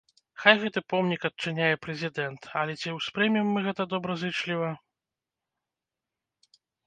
Хай гэты помнік адчыняе прэзідэнт, але ці ўспрымем мы гэта добразычліва?